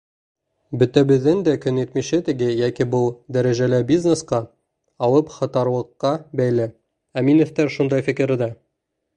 Бөтәбеҙҙең дә көнитмеше теге йәки был дәрәжәлә бизнесҡа, алыпһатарлыҡҡа бәйле — Әминевтәр шундай фекерҙә.